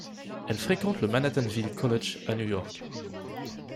Elle fréquente le Manhattanville College à New York.